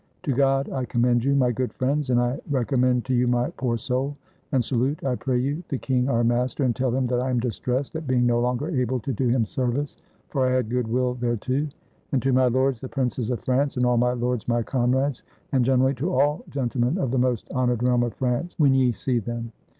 To God I commend you, my good friends; and I recommend to you my poor soul; and salute, I pray you, the king our master, and tell him that I am distressed at being no longer able to do him service, for I had good will thereto. And to my lords the princes of France, and all my lords my comrades, and generally to all gentle men of the most honored realm of France when ye see them."